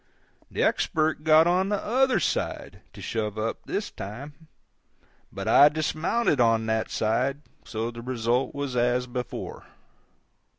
The Expert got on the _other _side to shove up this time, but I dismounted on that side; so the result was as before.